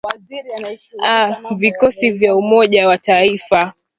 aa vikosi vya umoja wa afrika